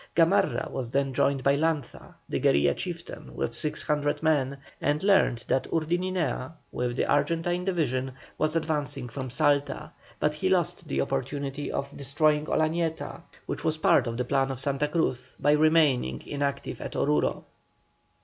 Gamarra was then joined by Lanza, the Guerilla chieftain, with 600 men, and learned that Urdininea, with the Argentine division, was advancing from Salta; but he lost the opportunity of destroying Olañeta, which was part of the plan of Santa Cruz, by remaining inactive at Oruro.